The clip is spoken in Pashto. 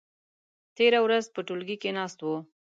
تېره ورځ په ټولګي کې ناست وو.